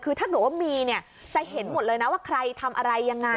คือถ้าเกิดว่ามีเนี่ยจะเห็นหมดเลยนะว่าใครทำอะไรยังไง